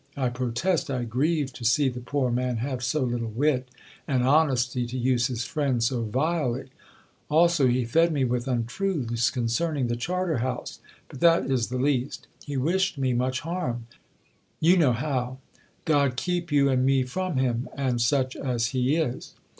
I protest I grieve to see the poor man have so little wit and honesty to use his friend so vilely; also, he fed me with untruths concerning the Charter House; but that is the least; he wished me much harm; you know how. God keep you and me from him, and such as he is.